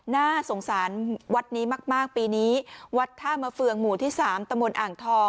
น่าสงสารวัดนี้มากปีนี้วัดท่ามะเฟืองหมู่ที่๓ตะบนอ่างทอง